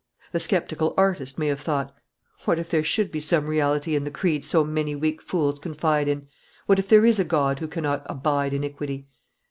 The sceptical artist may have thought, "What if there should be some reality in the creed so many weak fools confide in? What if there is a God who cannot abide iniquity?"